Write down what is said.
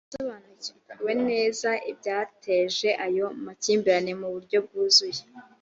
yasobanukiwe neza ibyateje ayo makimbirane mu buryo bwuzuye